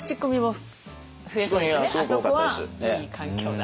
あそこはいい環境だって。